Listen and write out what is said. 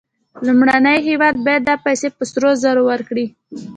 لومړنی هېواد باید دا پیسې په سرو زرو ورکړي